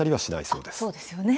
そうですよね。